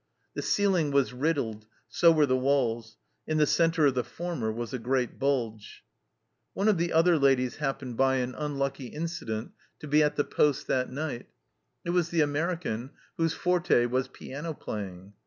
The ceiling was riddled, so were the walls ; in the centre of the former was a great bulge." One of the other ladies happened by an unlucky WAITING FOR ATTACK incident to be at the poste that night ; it was the A merican, whose forte was piano playing.